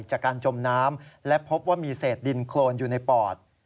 จมน้ำและพบว่ามีเศษดินโครนอยู่ในปอด